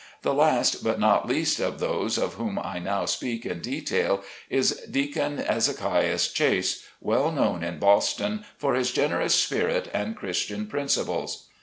The last but not least of those of whom I now speak in detail, is Deacon Ezekias Chase, well known in Boston for his generous spirit and Christian prin ciples.